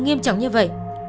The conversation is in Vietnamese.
nghiêm trọng như vậy